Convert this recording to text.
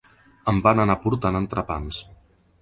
Em van anar portant entrepans.